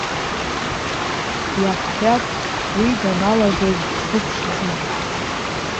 Иаҳҳәап, уи даналагоз дқәыԥшӡан.